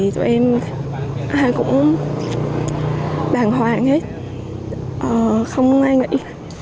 tụi em ai cũng đàng hoàng hết không ai nghỉ